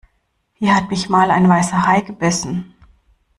Hier hat mich mal ein Weißer Hai gebissen.